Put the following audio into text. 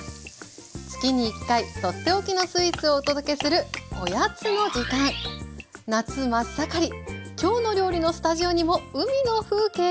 月に１回取って置きのスイーツをお届けする夏真っ盛り「きょうの料理」のスタジオにも海の風景が？